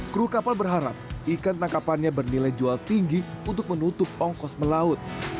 kru kapal berharap ikan tangkapannya bernilai jual tinggi untuk menutup ongkos melaut